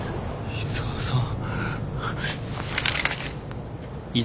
井沢さん。